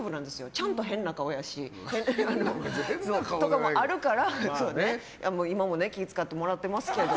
ちゃんと変な顔やし。とかもあるから今も気を使ってもらってますけど。